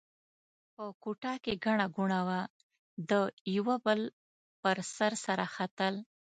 په کوټه کې ګڼه ګوڼه وه؛ د یوه بل پر سر سره ختل.